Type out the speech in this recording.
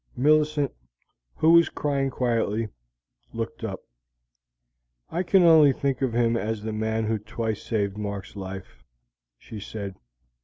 Millicent, who was crying quietly, looked up. "I can only think of him as the man who twice saved Mark's life," she said.